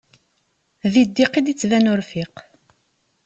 Di ddiq i d-yettban urfiq.